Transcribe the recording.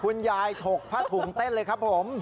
คุณยายถกผ้าถุงเต้นเลยครับผม